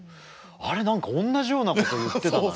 あれ何かおんなじようなこと言ってたな。